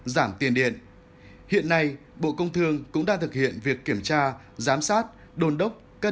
giảm tiền điện hiện nay bộ công thương cũng đang thực hiện việc kiểm tra giám sát đồn đốc các